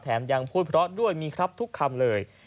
ยังพูดเพราะด้วยมีครับทุกคำเลย